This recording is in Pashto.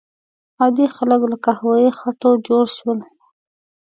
عادي خلک له قهوه یي خټو جوړ شول.